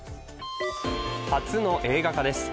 初の映画化です。